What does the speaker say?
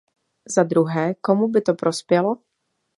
Za druhé, komu by to prospělo?